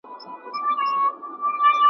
کله کله د ځنکدن په وخت کي ,